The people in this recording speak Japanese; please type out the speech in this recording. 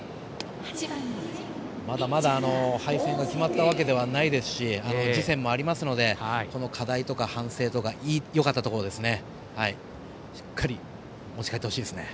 まだまだ敗戦が決まったわけではありませんし次戦もありますので課題とか反省とかよかったところをしっかり持ち帰ってほしいですね。